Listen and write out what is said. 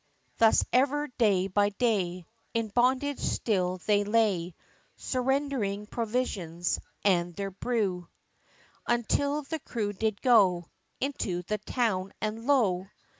Thus ever day by day, In bondage still they lay, Surrendering provisions, and their brew, Until the crew did go Into the town, and lo!